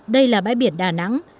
đây là bãi biển đà nẵng